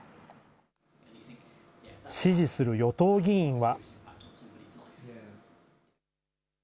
支持する与党議員は。